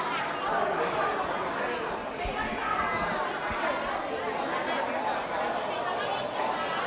ขอบคุณค่ะ